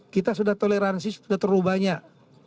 kita sudah toleransi sudah terlalu banyak